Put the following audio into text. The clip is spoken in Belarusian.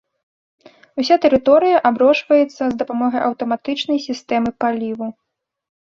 Уся тэрыторыя аброшваецца з дапамогай аўтаматычнай сістэмы паліву.